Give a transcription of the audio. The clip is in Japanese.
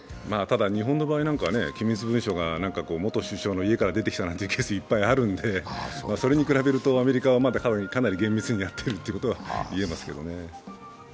日本の場合は機密文書が元首相の自宅から出てきたケースいっぱいあるんで、それに比べるとアメリカはまだかなり厳密にやっているということは言えますけどね。